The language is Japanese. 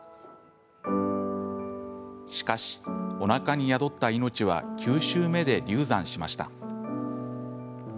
しかし、おなかに宿った命は９週目で流産しました。